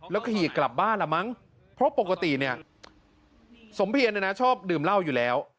ขี่กลับบ้านละมั้งเพราะปกติเนี่ยสมเพียรเนี่ยนะชอบดื่มเหล้าอยู่แล้ว